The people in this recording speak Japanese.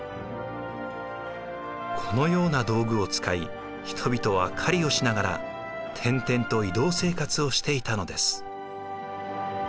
このような道具を使い人々は狩りをしながら転々と移動生活をしていたのです。